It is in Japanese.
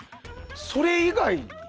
それ以外に？